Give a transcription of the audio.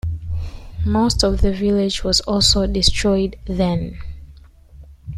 Most of the village was also destroyed then.